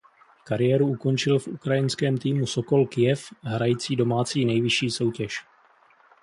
Kariéru ukončil v ukrajinském týmu Sokol Kyjev hrající domácí nejvyšší soutěž.